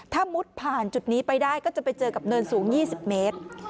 ถ้ามุดผ่านจุดนี้ไปได้ก็จะไปเจอกับเนินสูง๒๐เมตร